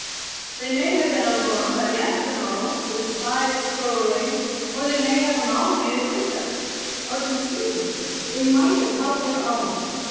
They may have been overwhelmed by the Esquimaux, the despised Skroeling—or they may have amalgamated with them—or conceivably they might have held their own.